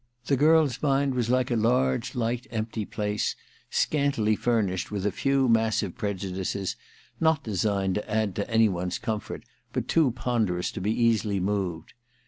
The girl's mind was like a large light empty place, scantily furnished with a few massive prejudices, not designed to add to any one's comfort but too ponderous to be easily moved.